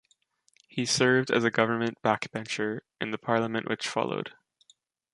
He served as a government backbencher in the parliament which followed.